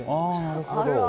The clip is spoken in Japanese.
あなるほど。